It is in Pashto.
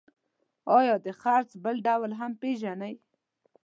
آیا د څرخ بل ډول هم پیژنئ؟